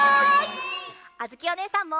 あづきおねえさんも！